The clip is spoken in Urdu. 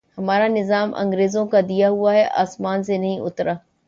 ہمارا نظام انگریزوں کا دیا ہوا ہے، آسمان سے نہیں اترا۔